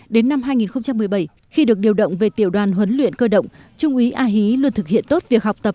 đến năm hai nghìn một mươi bảy khi được điều động về tiểu đoàn huấn luyện cơ động trung úy a hí luôn thực hiện tốt việc học tập